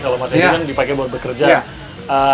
kalau mas edi kan dipakai buat bekerja